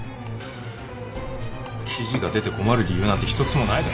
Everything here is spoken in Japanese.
記事が出て困る理由なんて一つもない